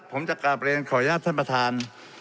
ผมจะกลับเรียนขออนุญาตท่านประธาน